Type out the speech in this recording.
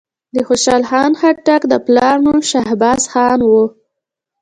د خوشحال خان خټک د پلار نوم شهباز خان وو.